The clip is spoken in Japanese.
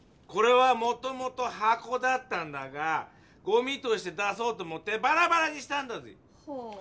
これはもともとはこだったんだがゴミとして出そうと思ってバラバラにしたんだぜぇ！